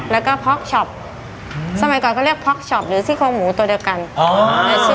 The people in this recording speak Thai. แล้วก็พล็อกชอปอืมสม่ายก่อนก็เรียกพล็อกชอปหรือสี่โครงหมูโกรธเช้าหมูตัวเดียวกันอ๋อ